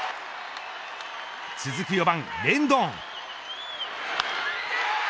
続く４番、レンドン。